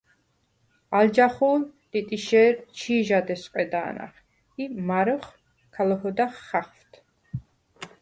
ალ ჯახუ̄ლ ტიტიშე̄რ ჩი̄ჟად ესვყედა̄ნახ ი მა̈რხჷ ქა ლოჰოდახ ხახვდ.